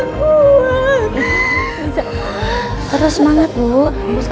bu semangat bu